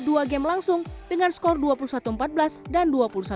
dua game langsung dengan skor dua puluh satu empat belas dan dua puluh satu enam belas